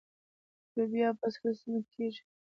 لوبیا په سړو سیمو کې کیږي.